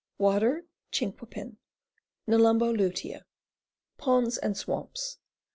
Water Chinquapin. Nelumbo lutea. Ponds and swamps.